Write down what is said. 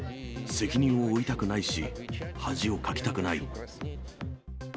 責任を負いたくないし、恥をかきたくない。